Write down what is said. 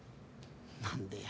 何でや？